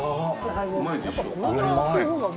うまいでしょう？